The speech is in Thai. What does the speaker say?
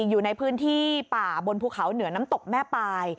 อยู่ในพื้นที่ป่าบนภูเขาเหนือน้ำตกแม่ปลาย